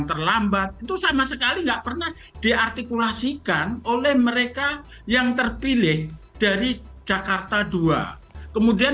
dari waktu terkait lpp dewasa negara full crops yang diadakan